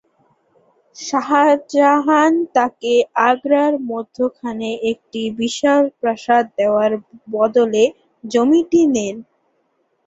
শাহজাহান তাকে আগ্রার মধ্যখানে একটি বিশাল প্রাসাদ দেওয়ার বদলে জমিটি নেন।